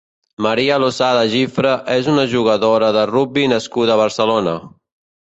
Maria Losada Gifra és una jugadora de rugbi nascuda a Barcelona.